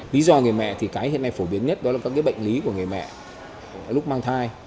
lý do người mẹ thì cái hiện nay phổ biến nhất đó là các cái bệnh lý của người mẹ lúc mang thai